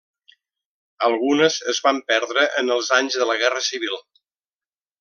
Algunes es van perdre en els anys de la guerra civil.